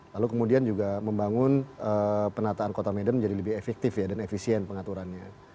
lalu kemudian juga membangun penataan kota medan menjadi lebih efektif dan efisien pengaturannya